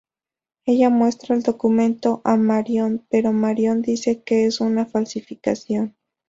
Ella muestra el documento a Marion, pero Marion dice que es una falsificación.